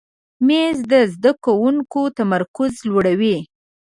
مېز د زده کوونکي تمرکز لوړوي.